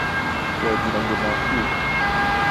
Wagira ngo nakwiga